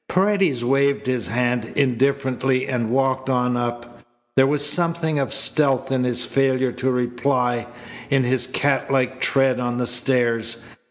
Paredes waved his hand indifferently and walked on up. There was something of stealth in his failure to reply, in his cat like tread on the stairs.